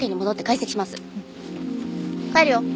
帰るよ。